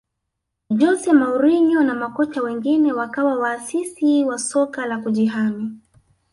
jose mourinho na makocha wengine wakawa waasisi wa soka la kujihami